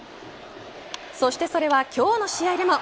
そして、それは今日の試合でも。